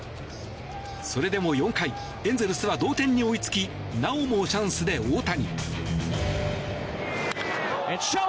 それでも４回エンゼルスは同点に追いつきなおもチャンスで大谷。